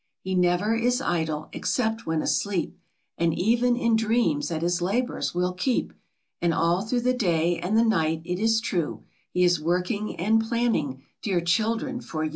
H e never is idle, except when asleep, And even in dreams at his labors will keep, And all thro' the day and the night, it is true, He is working and plan ning, dear children, for you.